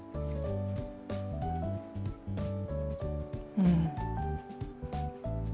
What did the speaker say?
うん。